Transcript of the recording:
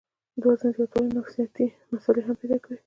د وزن زياتوالے نفسياتي مسئلې هم پېدا کوي